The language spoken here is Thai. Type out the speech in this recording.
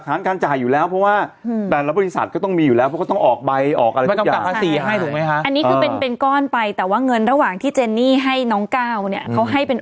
ทาเล็บทาเล็บอ่ะเออสีแดงสวยงามทาเล็บ